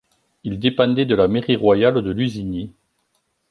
Il dépendait de la Mairie royale de Lusigny.